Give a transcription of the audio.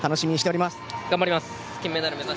頑張ります。